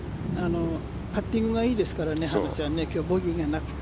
パッティングがいいですから、ハナちゃんは今日、ボギーがなくて。